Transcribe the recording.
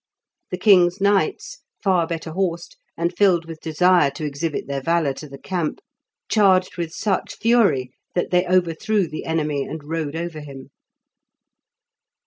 The king's knights, far better horsed, and filled with desire to exhibit their valour to the camp, charged with such fury that they overthrew the enemy and rode over him.